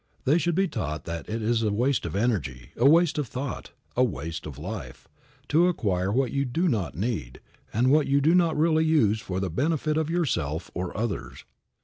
They should be taught that it is a waste of energy, a waste of thought, a waste of life, to acquire what you do not need and what you do not really use for the benefit of yourself or others.